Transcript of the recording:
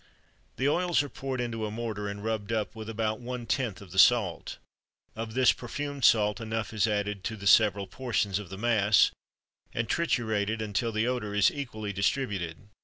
The oils are poured into a mortar and rubbed up with about one tenth of the salt; of this perfumed salt enough is added to the several portions of the mass, and triturated until the odor is equally distributed.